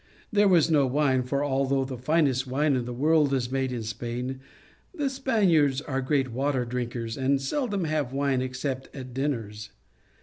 There was no wine, for although the finest wine in the world is made in Spain, the Spaniards are great water drinkers, and seldom have wine except at din ners.